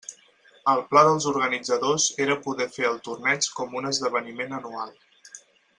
El pla dels organitzadors era poder fer el torneig com un esdeveniment anual.